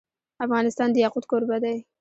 افغانستان د یاقوت کوربه دی.